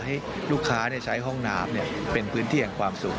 ให้ลูกค้าใช้ห้องน้ำเป็นพื้นที่แห่งความสุข